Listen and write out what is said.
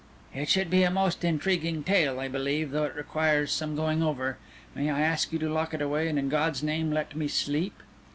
"It should be a most intriguing tale, I believe, though it requires some going over. May I ask you to lock it away, and in God's name let me sleep?"